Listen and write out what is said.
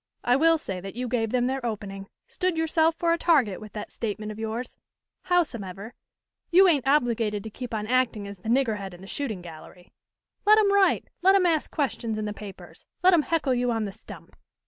I will say that you gave them their opening; stood yourself for a target with that statement of yours. Howsomever, you ain't obligated to keep on acting as the nigger head in the shooting gallery. "Let 'em write; let 'em ask questions in the papers; let 'em heckle you on the stump.